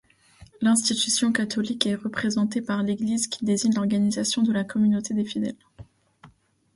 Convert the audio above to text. L'institution catholique est représentée par l'Église qui désigne l'organisation de la communauté des fidèles.